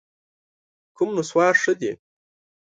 کوم نسوار ښه دي؟